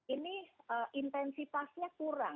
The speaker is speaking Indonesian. ini intensitasnya kurang